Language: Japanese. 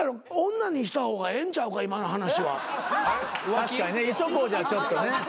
確かにねいとこじゃちょっとね。